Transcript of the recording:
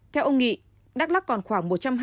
theo ông nghị đắk lắc còn khoảng